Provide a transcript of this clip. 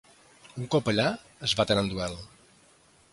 Un cop allà es baten en duel.